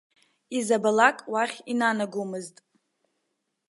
Изабалак уахь инанагомызт.